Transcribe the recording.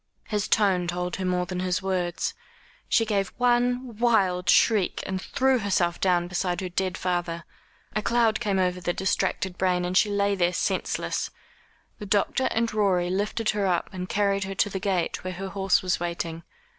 His tone told her more than his words. She gave one wild shriek, and threw herself down beside her dead father. A cloud came over the distracted brain, and she lay there senseless. The doctor and Rorie lifted her up and carried her to the gate where her horse was waiting.